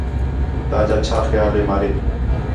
تاجا چھا خیال ہے مالک